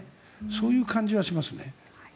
そういう感じはしますね。